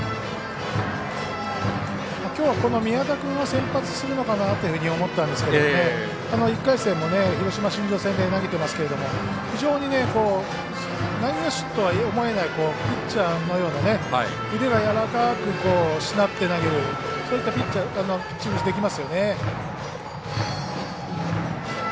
きょうは、この宮田君が先発するのかなと思ったんですけど１回戦も広島新庄戦で投げてますけども非常に内野手とは思えないピッチャーのような腕がやわらかくしなって投げるそういったピッチングできますよね。